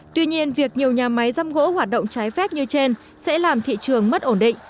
tuy nhiên việc nhiều nhà máy giam gỗ hoạt động trái phép như trên sẽ làm thị trường mất ổn định